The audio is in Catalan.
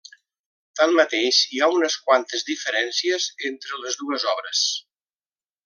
Tanmateix, hi ha unes quantes diferències entre les dues obres.